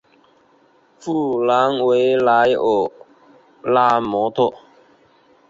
布兰维莱尔拉莫特。